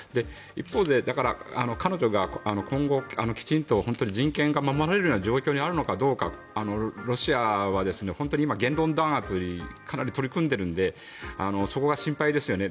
一方で、彼女が今後、きちんと人権が守られるような状況にあるのかどうかロシアは本当に今、言論弾圧にかなり取り組んでいるのでそこが心配ですよね。